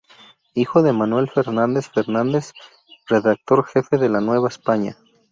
Hijo de Manuel Fernández Fernández, redactor jefe de La Nueva España.